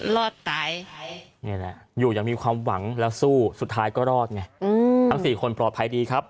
รอดตายนี่แหละอยู่อย่างมีความหวังแล้วสู้สุดท้ายก็รอดไงทั้งสี่คนปลอดภัยดีครับ